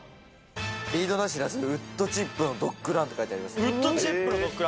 リードなしで遊べるウッドチップのドッグランって書いてありますよ。